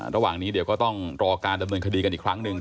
ระหว่างนี้เดี๋ยวก็ต้องรอการดำเนินคดีกันอีกครั้งหนึ่ง